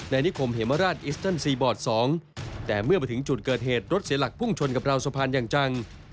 ในนิขมเฮมาราชอิสเติลซีบอท๒แต่เมื่อพอถึงจุดเกิดเหตุรถเสียหลักพุ่งชนกับร้าวสะพานยังจง